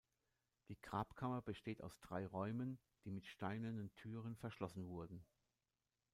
Die Grabkammer besteht aus drei Räumen, die mit steinernen Türen verschlossen wurden.